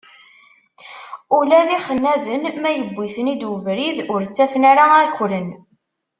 Ula d ixennaben ma yewwi-ten-id webrid, ur ttafen ara akren.